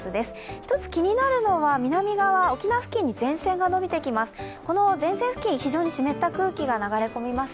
１つ気になるのは南側、沖縄付近に前線が延びてきます。